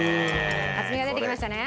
厚みが出てきましたね。